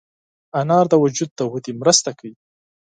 انار د وجود د ودې مرسته کوي.